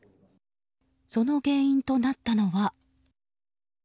その原因となったのは。